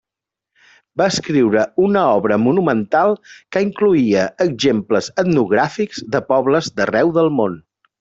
Va escriure una obra monumental que incloïa exemples etnogràfics de pobles d'arreu del món.